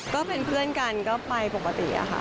ก็เป็นเพื่อนกันก็ไปประมาทคือภาพ